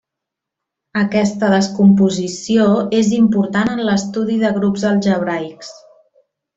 Aquesta descomposició és important en l'estudi de grups algebraics.